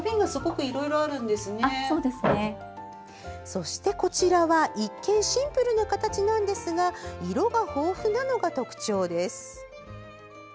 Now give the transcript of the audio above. そして、こちらは一見シンプルな形なんですが色が豊富なのが特徴です。